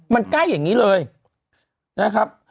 มันใกล้อย่างนี้เลยนะครับ